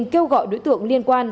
kêu gọi đối tượng liên quan